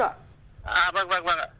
à vâng vâng ạ